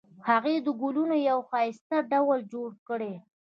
هغې د ګلونو یوه ښایسته ډوله جوړه کړې